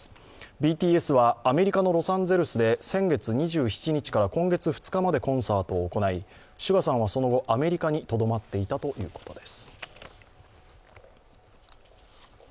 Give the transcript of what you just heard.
ＢＴＳはアメリカのロサンゼルスで先月２７日から今月２日までコンサートを行い、ＳＵＧＡさんはその後、アメリカにとどまっていたということです。